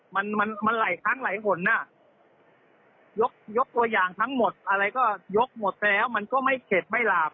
มันไหลข้างไหลหล่นยกตัวอย่างทั้งหมดอะไรก็ยกหมดแล้วมันก็ไม่เข็ดไม่หลาก